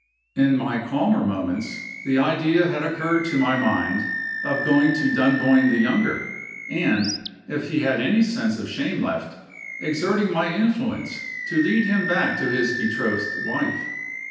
In my calmer moments, the idea had occurred to my mind of going to Dunboyne the younger, and, if he had any sense of shame left, exerting my influence to lead him back to his betrothed wife.